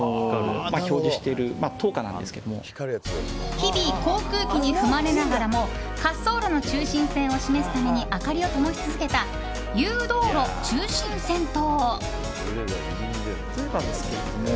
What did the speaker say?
日々、航空機に踏まれながらも滑走路の中心を示すために明かりをともし続けた誘導路中心線灯。